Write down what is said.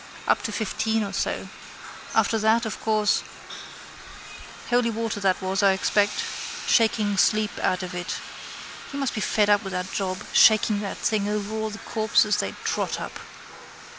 Up to fifteen or so. After that, of course ... Holy water that was, I expect. Shaking sleep out of it. He must be fed up with that job, shaking that thing over all the corpses they trot up.